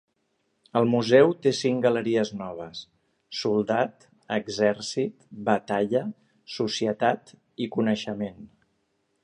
El museu té cinc galeries noves: soldat, exèrcit, batalla, societat i coneixement.